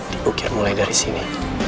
dibukir mulai dari sini